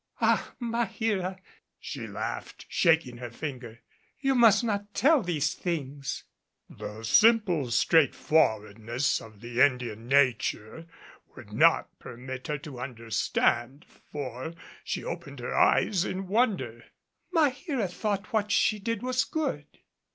"Ah! Maheera," she laughed, shaking her finger. "You must not tell of these things." The simple straightforwardness of the Indian nature would not permit her to understand, for she opened her eyes in wonder. "Maheera thought that what she did was good."